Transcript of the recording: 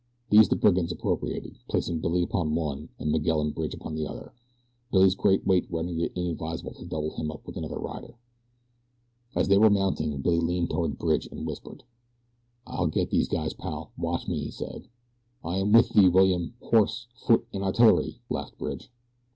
These the brigands appropriated, placing Billy upon one and Miguel and Bridge upon the other. Billy's great weight rendered it inadvisable to double him up with another rider. As they were mounting Billy leaned toward Bridge and whispered: "I'll get these guys, pal watch me," he said. "I am with thee, William! horse, foot, and artillery," laughed Bridge.